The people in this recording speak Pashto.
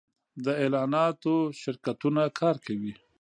د اعلاناتو شرکتونه کار کوي